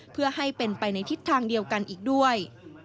เพื่อให้เป็นไปในทิศทางเดียวกันอีกด้วย